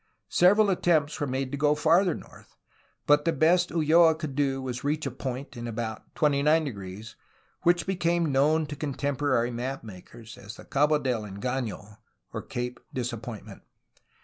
Several attempts were made to go farther north, but the best Ulloa could do was to reach a point in about 29 which became known to contemporary map makers as the Cabo del Engaiio (Cape Disappointment).